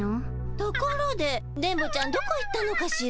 ところで電ボちゃんどこ行ったのかしら？